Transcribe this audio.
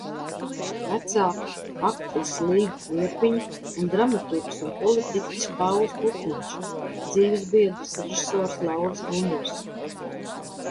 Vecāki aktrise Līga Liepiņa un dramaturgs un politiķis Pauls Putniņš, dzīvesbiedrs režisors Lauris Gundars.